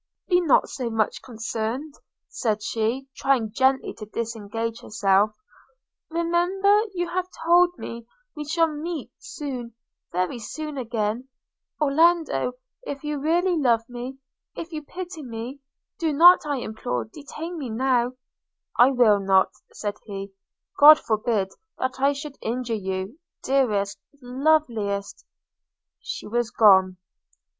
– 'Be not so much concerned,' said she, trying gently to disengage herself; 'remember you have told me we shall meet soon – very soon again: Orlando! if you really love me – if you pity me, do not, I implore you, detain me now.' – 'I will not,' said he: 'God forbid that I should injure you, dearest, loveliest –!' She was gone!